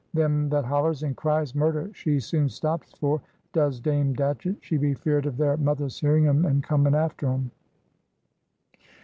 Them that hollers and cries murder she soon stops for, does Dame Datchett. She be feared of their mothers hearing 'em, and comin' after 'em."